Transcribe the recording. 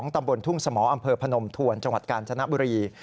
ตำบลทุ่งสมอำเภอพนมทวนจังหวัดกาญจนบุรี